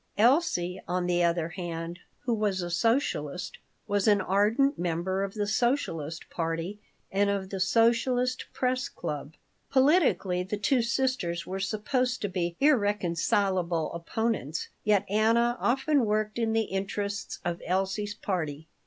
Elsie, on the other hand, who was a socialist, was an ardent member of the Socialist party and of the Socialist Press Club. Politically the two sisters were supposed to be irreconcilable opponents, yet Anna often worked in the interests of Elsie's party.